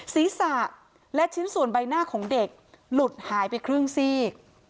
ศีรษะและชิ้นส่วนใบหน้าของเด็กหลุดหายไปครึ่งซีก